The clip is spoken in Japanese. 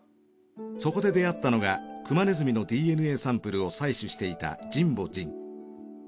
そこで出会ったのがクマネズミのＤＮＡサンプルを採取していた神保仁。